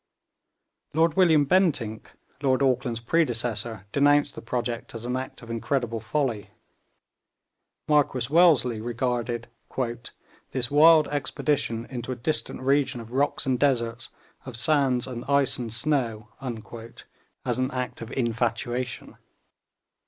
Lord William Bentinck, Lord Auckland's predecessor, denounced the project as an act of incredible folly. Marquis Wellesley regarded 'this wild expedition into a distant region of rocks and deserts, of sands and ice and snow,' as an act of infatuation.